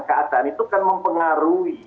keadaan itu kan mempengaruhi